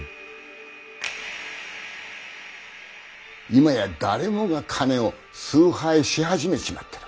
今や誰もが金を崇拝し始めちまっている。